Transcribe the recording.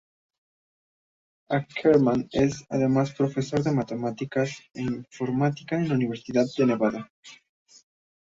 Ackerman es, además, profesor de matemáticas e informática en la Universidad de Nevada.